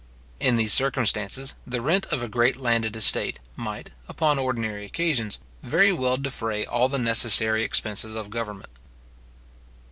In these circumstances, the rent of a great landed estate might, upon ordinary occasions, very well defray all the necessary expenses of government.